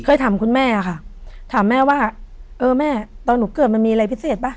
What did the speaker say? เคยถามคุณแม่ค่ะถามแม่ว่าเออแม่ตอนหนูเกิดมันมีอะไรพิเศษป่ะ